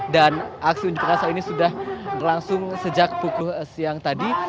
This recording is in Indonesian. dan aksi unjuk kerasa ini sudah langsung sejak pukul siang tadi